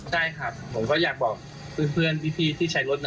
ใช่ผมก็อยากบอกเพื่อนคุณพี่ที่ใช้รถ